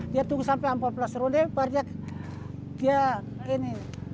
dia tunggu sampai empat belas ronde baru dia ini